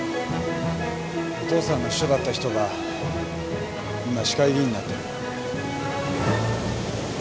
お父さんの秘書だった人が今市会議員になってる。